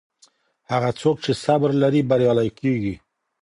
هغه څوک چې صبر لري بریالی کیږي.